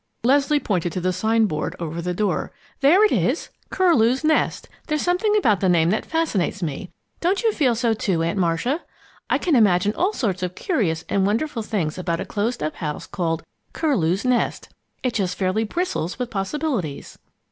Leslie pointed to the sign board over the door. "There it is, 'Curlew's Nest.' There's something about the name that fascinates me. Don't you feel so too, Aunt Marcia? I can imagine all sorts of curious and wonderful things about a closed up house called 'Curlew's Nest'! It just fairly bristles with possibilities!"